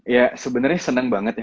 ya sebenernya seneng banget ya